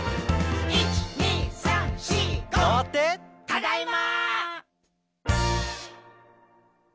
「ただいま！」